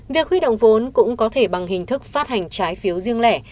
việc huy động vốn cũng có thể bằng hình thức phát hành trái phiếu riêng lẻ